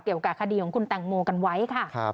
เกี่ยวกับคดีของคุณแตงโมกันไว้ค่ะ